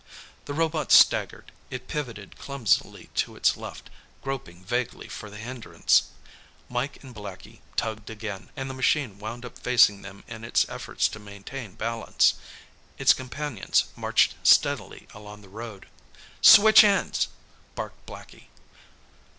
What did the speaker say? The robot staggered. It pivoted clumsily to its left, groping vaguely for the hindrance. Mike and Blackie tugged again, and the machine wound up facing them in its efforts to maintain balance. Its companions marched steadily along the road. "Switch ends!" barked Blackie.